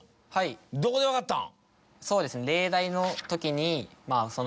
どこで分かったん？